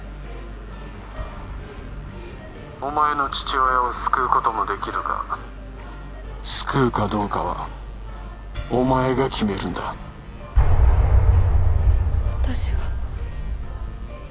お前の父親を救うこともできるが救うかどうかはお前が決めるんだ私が？